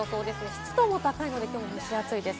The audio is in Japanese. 湿度も高いので、きょうも蒸し暑いです。